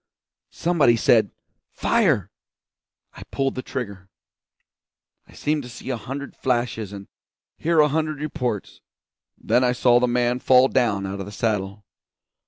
Somebody said 'Fire!' I pulled the trigger. I seemed to see a hundred flashes and hear a hundred reports, then I saw the man fall down out of the saddle.